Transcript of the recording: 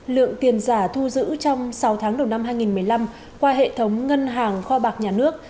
lượng tiền giả thu giữ trong sáu tháng đầu năm hai nghìn một mươi năm qua hệ thống ngân hàng kho bạc nhà nước